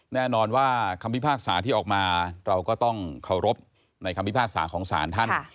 แน่นอนว่าคำพิพากษาที่ออกมาเราก็ต้องเคารพในคำพิพากษาของศาลท่าน